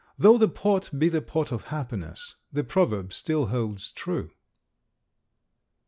Though the pot be the pot of happiness, the proverb still holds true.